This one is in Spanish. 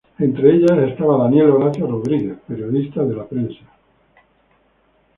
Entre ellas estaba Daniel Horacio Rodríguez, periodista de "La Prensa".